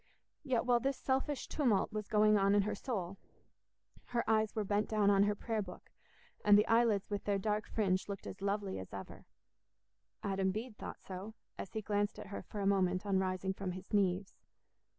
Yet while this selfish tumult was going on in her soul, her eyes were bent down on her prayer book, and the eyelids with their dark fringe looked as lovely as ever. Adam Bede thought so, as he glanced at her for a moment on rising from his knees.